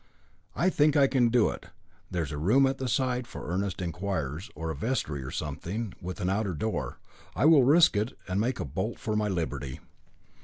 "I think I can do it. There's a room at the side for earnest inquirers, or a vestry or something, with an outer door. I will risk it, and make a bolt for my liberty."